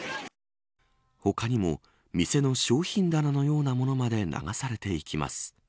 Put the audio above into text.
他にも店の商品棚のようなものまで流されていきます。